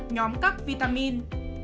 nhóm các vitamin